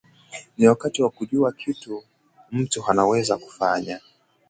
ni wakati wa kujua kitu mtu anaweza kufanya